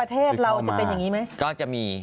ประเทศเราจะเป็นอย่างนี้ไหมก็จะมี